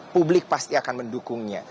publik pasti akan mendukungnya